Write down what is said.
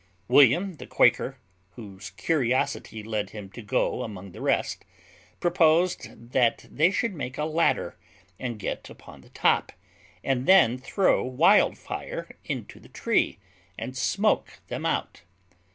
William the Quaker, whose curiosity led him to go among the rest, proposed that they should make a ladder, and get upon the top, and then throw wild fire into the tree, and smoke them out.